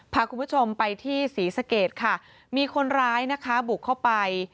พาคุณผู้ชมไปที่ศรีสะเกดค่ะมีคนร้ายนะคะบุกเข้าไป